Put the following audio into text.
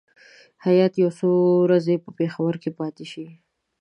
هیات یو څو ورځې په پېښور کې پاتې شي.